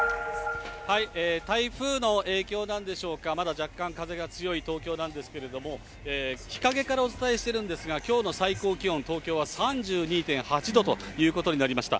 台風の影響なんでしょうか、まだ若干風が強い東京なんですけれども、日陰からお伝えしているんですが、きょうの最高気温、東京は３２．８度ということになりました。